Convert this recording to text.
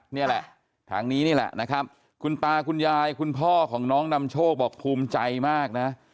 นี่แหละทางนี้นี่แหละนะครับคุณตาคุณยายคุณพ่อของน้องนำโชคบอกภูมิใจมากนะ